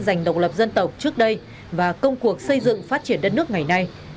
dành độc lập dân tộc trước đây và công cuộc xây dựng phát triển đất nước ngày nay